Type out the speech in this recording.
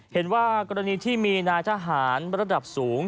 เห็นว่ากรณีที่มีนายทหารระดับสูง